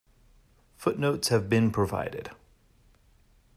Footnotes have been provided.